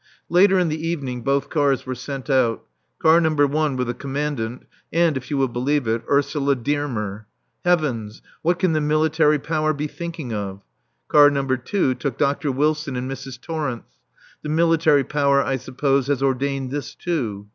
Later in the evening both cars were sent out, Car No. 1 with the Commandant and, if you will believe it, Ursula Dearmer. Heavens! What can the Military Power be thinking of? Car No. 2 took Dr. Wilson and Mrs. Torrence. The Military Power, I suppose, has ordained this too.